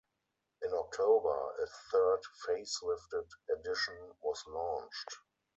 In October, a third facelifted edition was launched.